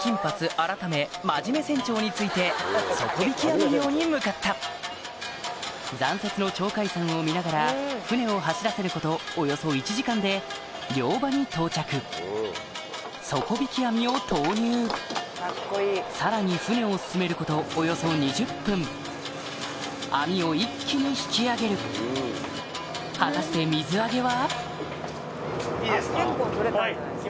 改め真面目船長について底引き網漁に向かった残雪の鳥海山を見ながら船を走らせることおよそ１時間で漁場に到着さらに船を進めることおよそ２０分網を一気に引き上げる果たして水揚げは？